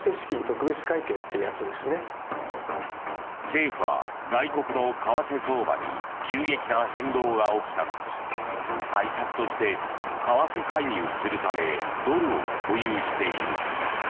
政府は外国の為替相場に急激な変動が起きた時対策として為替介入するためドルを保有している。